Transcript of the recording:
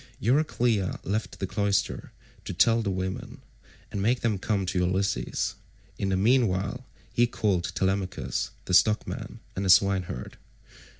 Euryclea left the cloister to tell the women, and make them come to Ulysses; in the meantime he called Telemachus, the stockman, and the swineherd.